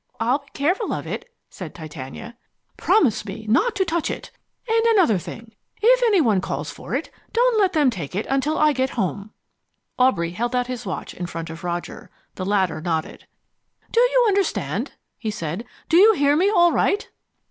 "I'll be careful of it," said Titania. "Promise me not to touch it. And another thing if any one calls for it, don't let them take it until I get home." Aubrey held out his watch in front of Roger. The latter nodded. "Do you understand?" he said. "Do you hear me all right?"